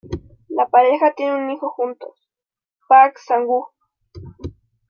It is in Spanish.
La pareja tiene un hijo juntos, Park Sang-woo.